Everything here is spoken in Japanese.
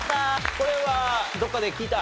これはどっかで聞いた？